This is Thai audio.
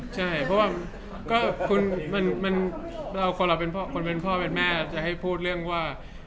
ใช่เพราะว่าก็คนเราเป็นคนเป็นพ่อเป็นแม่จะให้พูดเรื่องว่า